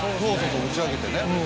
打ち上げてね。